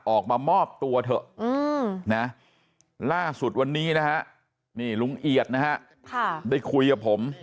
ออกมามอบตัวเถอะนะล่าสุดวันนี้นะฮะนี่ลุงเอียดนะฮะได้คุยกับผม